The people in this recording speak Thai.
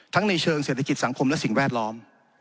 ในเชิงเศรษฐกิจสังคมและสิ่งแวดล้อม